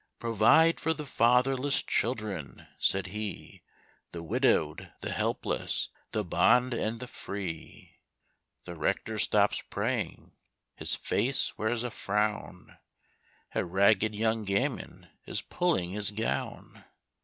"Provide for the fatherless children," said he "The widowed, the helpless, the bond and the free." The rector stops praying his face wears a frown; A ragged young gamin is pulling his gown.